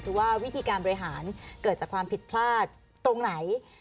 คือว่าวิธีการบริหารเกิดจากความผิดพลาดตรงไหน